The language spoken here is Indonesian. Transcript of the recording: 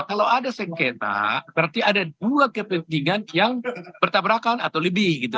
kalau ada sengketa berarti ada dua kepentingan yang bertabrakan atau lebih gitu